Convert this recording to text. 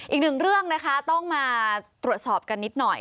อีกหนึ่งเรื่องนะคะต้องมาตรวจสอบกันนิดหน่อย